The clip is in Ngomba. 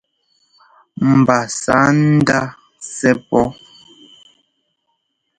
Mba sǎ ndá sɛ́ pɔ́.